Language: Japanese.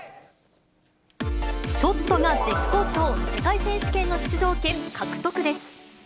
ショットが絶好調、世界選手権の出場権獲得です。